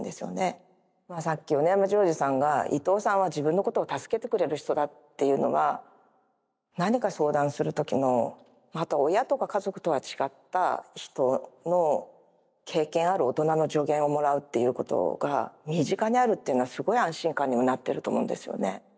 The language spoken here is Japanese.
さっき米山丈児さんが伊藤さんは自分のことを助けてくれる人だっていうのは何か相談する時のまた親とか家族とは違った人の経験ある大人の助言をもらうということが身近にあるっていうのはすごい安心感にもなってると思うんですよね。